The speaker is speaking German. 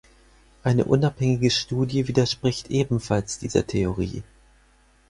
Eine unabhängige Studie widerspricht ebenfalls dieser Theorie.